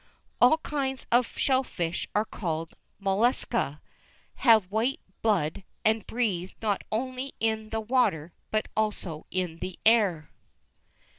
All kinds of shell fish are called "mollusca," have white blood, and breathe not only in the water, but also in the air.